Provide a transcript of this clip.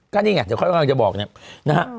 ก็นี่ไงเขาก็จะบอกเนี่ยนะฮะ